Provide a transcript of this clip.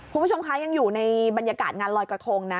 คุณผู้ชมคะยังอยู่ในบรรยากาศงานลอยกระทงนะ